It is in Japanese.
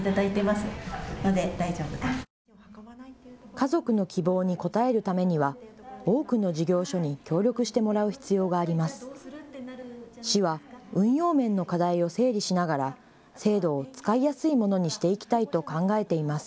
家族の希望に応えるためには多くの事業所に協力してもらう必要があります。